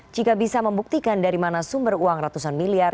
jika bisa membuktikan dari mana sumber uang ratusan miliar